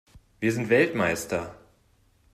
Wir sind Weltmeister!